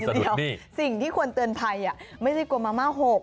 สิ่งที่ควรเตือนภัยอ่ะไม่ใช่บอกน้ำมอร์มหก